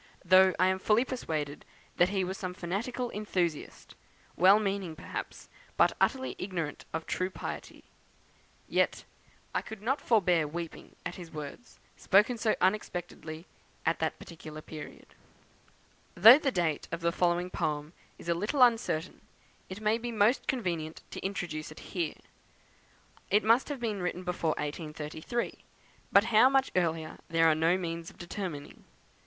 Though I am fully persuaded that he was some fanatical enthusiast, well meaning perhaps, but utterly ignorant of true piety; yet I could not forbear weeping at his words, spoken so unexpectedly at that particular period." Though the date of the following poem is a little uncertain, it may be most convenient to introduce it here. It must have been written before 1833, but how much earlier there are no means of determining.